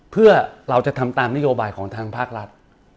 เพื่อเราจะทำตามนโยบายของทางภาครัฐ